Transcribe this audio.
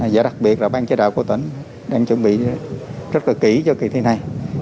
và đặc biệt là ban chế đạo của tỉnh đang chuẩn bị rất là kỹ cho kỳ thi này